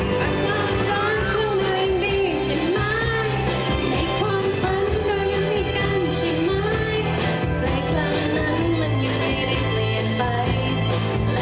และความรักของนายยังคงมีเบลอ